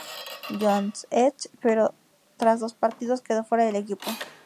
John's Edge, pero tras dos partidos quedó fuera del equipo.